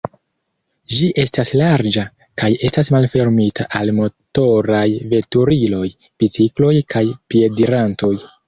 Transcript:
Ĝi estas larĝa kaj estas malfermita al motoraj veturiloj, bicikloj kaj piedirantoj.